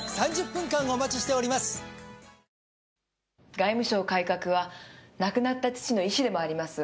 外務省改革は亡くなった父の遺志でもあります。